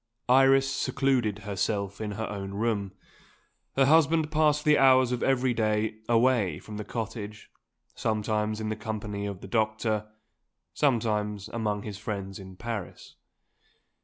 Iris secluded herself in her own room. Her husband passed the hours of every day away from the cottage; sometimes in the company of the doctor, sometimes among his friends in Paris.